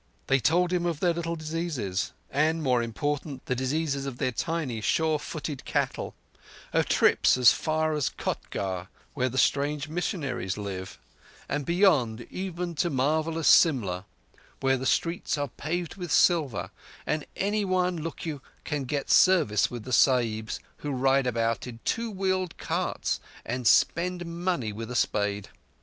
They told him of their little diseases, and, more important, the diseases of their tiny, sure footed cattle; of trips as far as Kotgarh, where the strange missionaries live, and beyond even to marvellous Simla, where the streets are paved with silver, and anyone, look you, can get service with the Sahibs, who ride about in two wheeled carts and spend money with a spade.